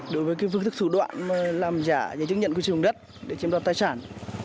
đối với phương thức thủ đoạn làm giả giấy chứng nhận quyền sử dụng đất để chiếm đoạt tài sản